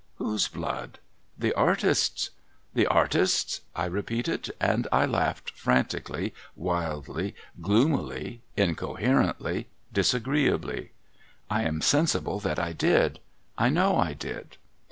' Whose blood ?'' The artist's.' ' The artist's ?' I repeated. And I laughed, frantically, wildly^ 310 SOMEBODY'S LUGGAGE gloomily, incoherently, disagreeably. I am sensible that I did. I know I did.